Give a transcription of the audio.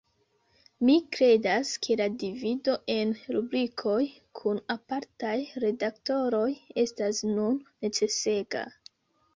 Mi kredas, ke la divido en rubrikoj kun apartaj redaktoroj estas nun necesega.